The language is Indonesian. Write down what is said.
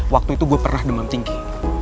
waktu itu gue pernah demam tinggi